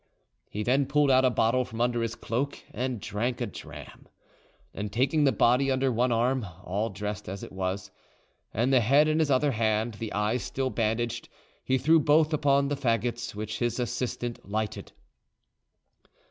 He then pulled out a bottle from under his cloak, and drank a dram; and taking the body under one arm, all dressed as it was, and the head in his other hand, the eyes still bandaged, he threw both upon the faggots, which his assistant lighted.